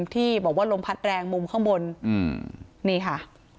ที่บอกว่าลมพัดแรงมุมข้างบนนี่ค่ะ